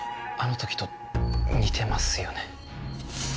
あの時と似てますよね。